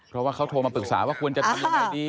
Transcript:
เพราะว่าเขาโทรมาปรึกษาว่าควรจะทำยังไงดี